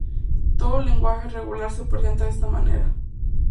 Todo lenguaje regular se presenta de esta manera.